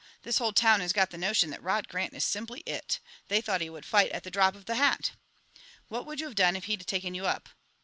This whole town has got the notion that Rod Grant is simply it. They thought he would fight at the drop of the hat." "What would you have done if he'd taken you up?"